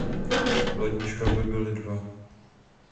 Lodní šrouby byly dva.